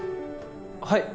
はい。